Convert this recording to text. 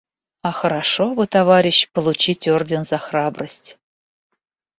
А хорошо бы, товарищ, получить орден за храбрость.